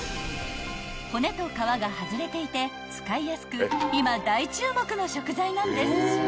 ［骨と皮が外れていて使いやすく今大注目の食材なんです］